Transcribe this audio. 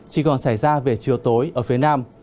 chỉ còn xảy ra về chiều tối ở phía nam